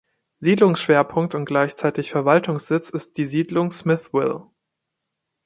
Siedlungsschwerpunkt und gleichzeitig Verwaltungssitz ist die Siedlung „Smithville“.